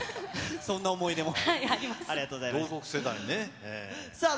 そんな思い出も。